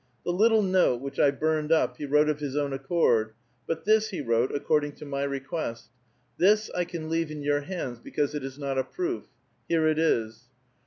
The little note which I burned up, he wrote of his own accord ; but this he wrote accoi*ding to my request ; this I can leave in your hands because it is not a proof. Here it is."